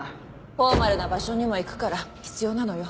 フォーマルな場所にも行くから必要なのよ。